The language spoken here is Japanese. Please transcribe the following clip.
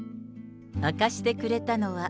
明かしてくれたのは。